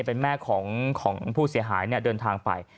เป็นแม่ของผู้เสียหายเดินทางไป